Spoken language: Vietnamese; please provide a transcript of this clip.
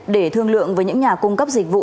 để thương lượng với những nhà cung cấp dịch vụ